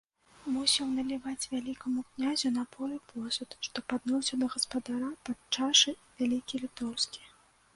Мусіў наліваць вялікаму князю напоі ў посуд, што падносіў да гаспадара падчашы вялікі літоўскі.